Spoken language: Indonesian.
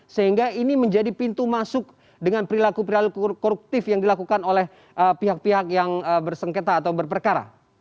sehingga ini menjadi pintu masuk dengan perilaku perilaku koruptif yang dilakukan oleh pihak pihak yang bersengketa atau berperkara